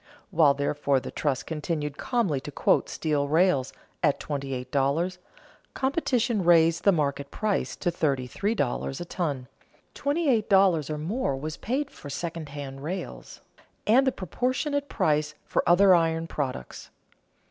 While, therefore, the trust continued calmly to quote steel rails at twenty eight dollars, competition raised the market price to thirty three dollars a ton; twenty eight dollars or more was paid for second hand rails, and a proportionate price for other iron products.